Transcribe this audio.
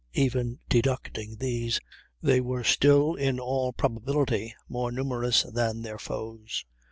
Even deducting these they were still, in all probability, more numerous than their foes.